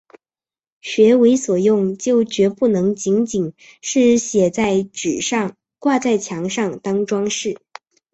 学为所用就决不能仅仅是写在纸上、挂在墙上当‘装饰’